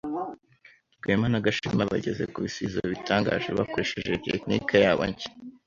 Rwema na Gashema bageze ku bisubizo bitangaje bakoresheje tekinike yabo nshya.